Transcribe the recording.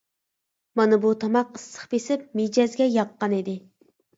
مانا بۇ تاماق ئىسسىق بېسىپ مىجەزگە ياققان ئىدى.